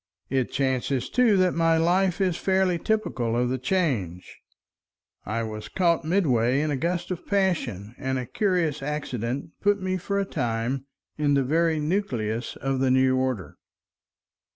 It chances too that my case is fairly typical of the Change; I was caught midway in a gust of passion; and a curious accident put me for a time in the very nucleus of the new order.